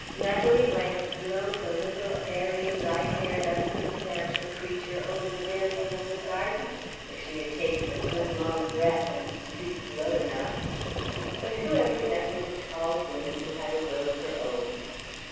Natalie might have blown the little airy, light haired, unsubstantial creature over the railings of the garden if she had taken a good long breath and stooped low enough. But who ever met with a tall woman who had a will of her own?